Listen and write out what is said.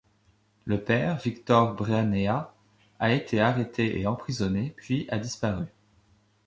Le père, Victor Branea, a été arrêté et emprisonnée, puis a disparu.